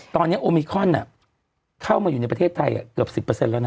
ตอนนี้โอมิคอนเข้ามาอยู่ในประเทศไทยเกือบ๑๐แล้วนะ